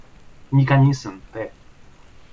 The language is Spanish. Механизмы, т.